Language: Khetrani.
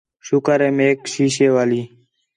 شُکر ہے میک شیشے والی